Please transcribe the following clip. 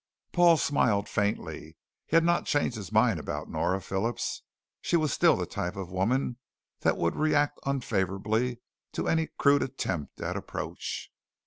Paul smiled faintly. He had not changed his mind about Nora Phillips; she was still the type of woman that would react unfavorably to any crude attempt at approach.